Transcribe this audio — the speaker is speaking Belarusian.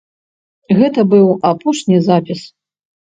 Гэта быў апошні запіс.